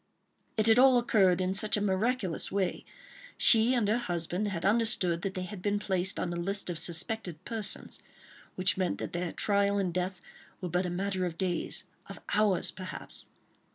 It had all occurred in such a miraculous way; she and her husband had understood that they had been placed on the list of "suspected persons," which meant that their trial and death were but a matter of days—of hours, perhaps.